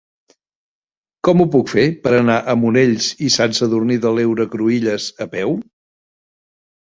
Com ho puc fer per anar a Monells i Sant Sadurní de l'Heura Cruïlles a peu?